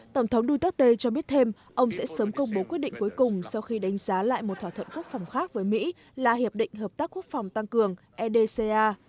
tổng thống duterte cho biết thêm ông sẽ sớm công bố quyết định cuối cùng sau khi đánh giá lại một thỏa thuận quốc phòng khác với mỹ là hiệp định hợp tác quốc phòng tăng cường edca